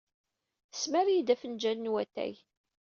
Tesmar-iyi-d afenjal n watay.